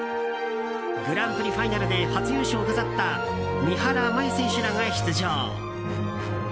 グランプリファイナルで初優勝を飾った三原舞依選手らが出場。